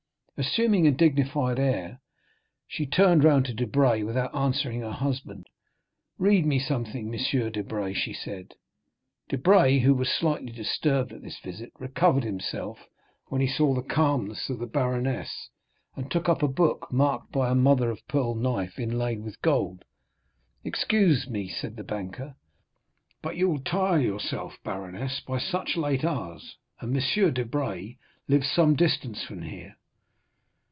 Assuming a dignified air, she turned round to Debray, without answering her husband. "Read me something, M. Debray," she said. Debray, who was slightly disturbed at this visit, recovered himself when he saw the calmness of the baroness, and took up a book marked by a mother of pearl knife inlaid with gold. "Excuse me," said the banker, "but you will tire yourself, baroness, by such late hours, and M. Debray lives some distance from here."